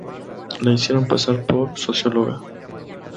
La hicieron pasar por socióloga.